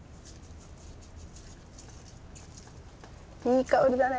いい香りだね。